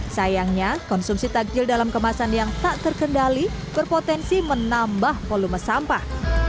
sayangnya konsumsi takjil dalam kemasan yang tak terkendali berpotensi menambah volume sampah